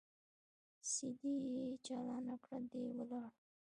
سي ډي يې چالانه کړه دى ولاړ.